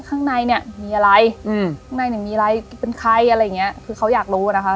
ข้างในเนี่ยมีอะไรอืมข้างในเนี่ยมีอะไรเป็นใครอะไรอย่างเงี้ยคือเขาอยากรู้นะคะ